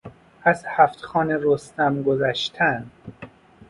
از هفت خوان رستم گذشتن